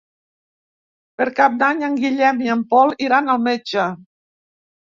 Per Cap d'Any en Guillem i en Pol iran al metge.